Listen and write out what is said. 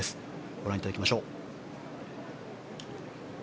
ご覧いただきましょう。